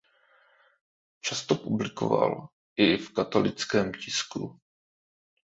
Často publikoval i v katolickém tisku.